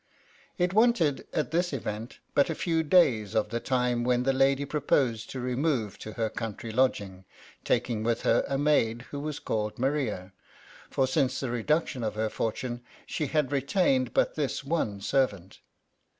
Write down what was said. It wanted, at this event, but a few days of the time when the lady proposed to remove to her country lodging, taking with her a maid who was called Maria ; for since the reduction of her fortune, she had retained but this one servant.